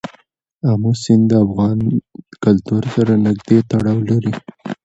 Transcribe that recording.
آمو سیند د افغان کلتور سره نږدې تړاو لري.